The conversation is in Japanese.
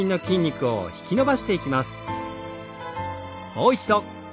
もう一度。